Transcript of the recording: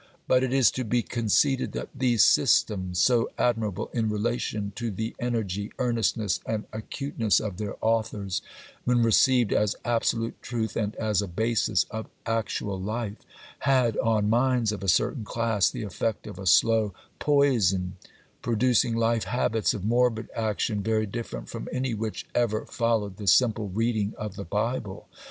But it is to be conceded that these systems, so admirable in relation to the energy, earnestness, and acuteness of their authors, when received as absolute truth, and as a basis of actual life, had, on minds of a certain class, the effect of a slow poison, producing life habits of morbid action very different from any which ever followed the simple reading of the Bible.